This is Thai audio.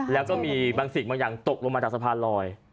แล้วก็มีบางสิ่งบางอย่างตกลงมาจากสะพานลอย